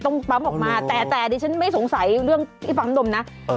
ต้องปั๊มออกมาแต่แต่ดิฉันไม่สงสัยเรื่องที่ปั๊มดมนะ